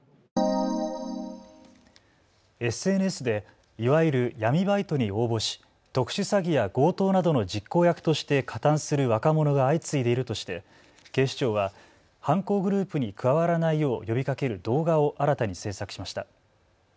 ＳＮＳでいわゆる闇バイトに応募し特殊詐欺や強盗などの実行役として加担する若者が相次いでいるとして警視庁は犯行グループに加わらないよう呼びかける動画を新たに制作しました。